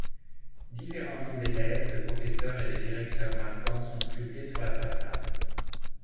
Différents noms d’élèves, de professeurs et de directeurs marquants sont sculptés sur la façade.